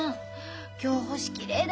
今日星きれいだよ。